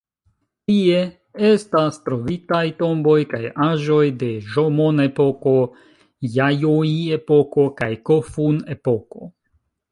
Tie estas trovitaj tomboj kaj aĵoj de Ĵomon-epoko, Jajoi-epoko kaj Kofun-epoko.